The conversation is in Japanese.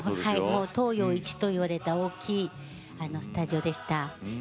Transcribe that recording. もう東洋一と言われた大きいスタジオでした。